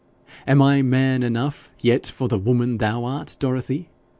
Am I man enough yet for the woman thou art, Dorothy?